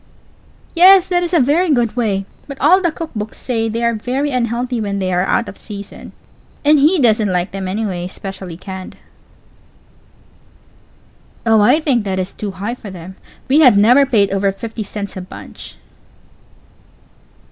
Pause. Yes, that is a very good way; but all the cook books say they are very unhealthy when they are out of season. And_ he_ doesn't like them, anyway especially canned. Pause. Oh, I think that is too high for them; we have never paid over fifty cents a bunch.